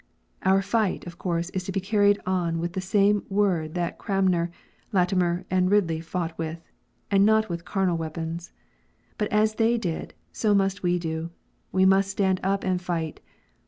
Our fight, of course, is to be carried on with the same Word that Cranmer, Latimer, and Kidley fought with, and not with carnal weapons. But as they did, so must we do : we must stand up and fight.